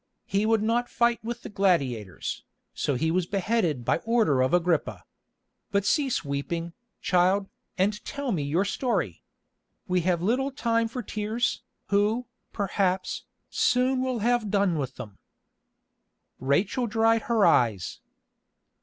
He would not fight with the gladiators, so he was beheaded by order of Agrippa. But cease weeping, child, and tell me your story. We have little time for tears, who, perhaps, soon will have done with them." Rachel dried her eyes.